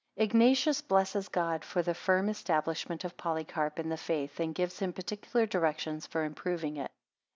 Ignatius blesses God for the firm, establishment of Polycarp in the faith, and gives him particular directions for improving it.